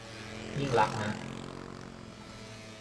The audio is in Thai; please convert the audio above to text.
ยิ่งลักษณ์นะ